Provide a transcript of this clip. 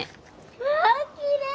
わあきれい！